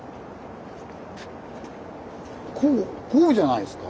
こうこうじゃないですか。